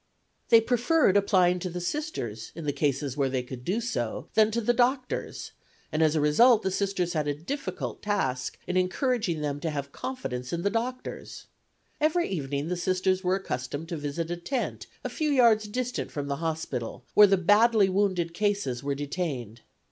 They preferred applying to the Sisters in cases where they could do so than to the doctors, and as a result the Sisters had a difficult task in encouraging them to have confidence in the doctors. Every evening the Sisters were accustomed to visit a tent a few yards distant from the hospital, where the badly wounded cases were detained.